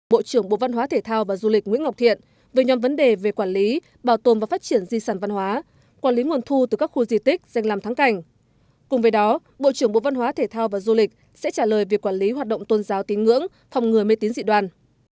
bộ trưởng bộ văn hóa thể thao và du lịch nguyễn ngọc thiện về nhóm vấn đề về quản lý bảo tồn và phát triển di sản văn hóa quản lý nguồn thu từ các khu di tích danh làm thắng cảnh cùng với đó bộ trưởng bộ văn hóa thể thao và du lịch sẽ trả lời về quản lý hoạt động tôn giáo tín ngưỡng phòng ngừa mê tín dị đoàn